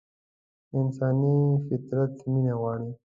انساني فطرت مينه غواړي.